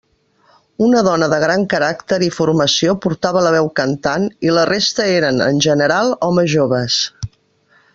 Una dona de gran caràcter i formació portava la veu cantant i la resta eren, en general, homes joves.